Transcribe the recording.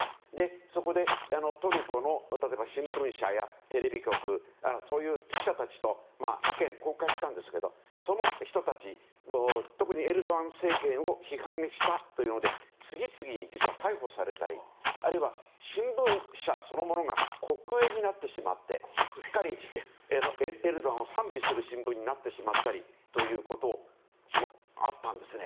そこで、トルコの新聞社やテレビ局、そういう記者たちと意見交換したんですけどその人たち特にエルドアン政権を批判したというので次々に逮捕されたりあるいは新聞社そのものが国営になってしまってすっかりエルドアンを賛美する新聞になってしまうということがあったんですね。